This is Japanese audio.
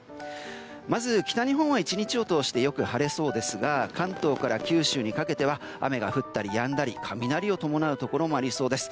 まず、北日本は１日を通してよく晴れそうですが関東から九州にかけては雨が降ったりやんだり雷を伴うところもありそうです。